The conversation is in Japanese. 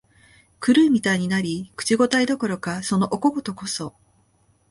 狂うみたいになり、口応えどころか、そのお小言こそ、